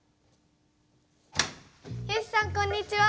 よしさんこんにちは。